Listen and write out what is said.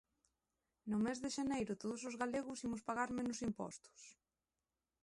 No mes de xaneiro todos os galegos imos pagar menos impostos.